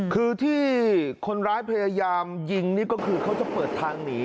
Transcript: คือที่คนร้ายพยายามยิงนี่ก็คือเขาจะเปิดทางหนี